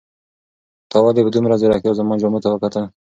تا ولې په دومره ځیرکتیا زما جامو ته وکتل؟